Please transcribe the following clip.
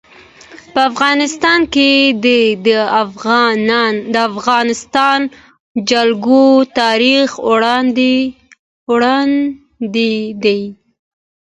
په افغانستان کې د د افغانستان جلکو تاریخ اوږد دی.